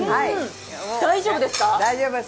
大丈夫です。